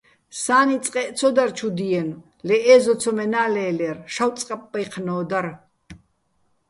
სა́ნი წყეჸ ცო დარ ჩუ დიენო̆, ლე ე́ზო ცომენა́ ლე́ლერ, შავწკაპბაჲჴნო́ დარ ბჵა́.